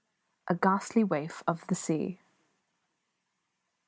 A GHASTLY WAIF OF THE SEA.